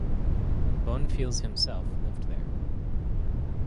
Bonfils himself lived there.